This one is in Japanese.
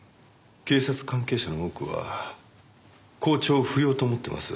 警察関係者の多くは公調を不要と思ってます。